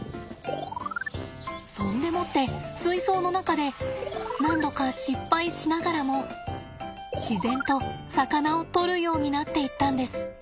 そんでもって水槽の中で何度か失敗しながらも自然と魚を取るようになっていったんです。